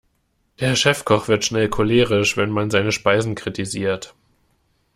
Der Chefkoch wird schnell cholerisch, wenn man seine Speisen kritisiert.